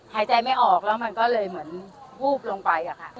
หายใจไม่ออกแล้วมันก็เลยเหมือนวูบลงไปอะค่ะ